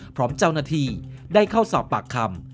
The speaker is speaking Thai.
พร้อมเจ้าหน้าที่ได้เข้าสอบปากคำ